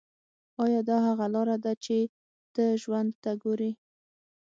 ایا دا هغه لاره ده چې ته ژوند ته ګورې